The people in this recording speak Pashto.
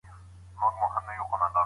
موږ یو بل سره پېژنو.